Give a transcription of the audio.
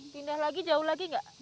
pindah lagi jauh lagi nggak